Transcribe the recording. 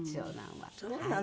そうなの。